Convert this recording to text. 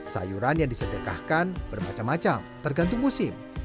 sayuran yang disedekahkan bermacam macam tergantung musim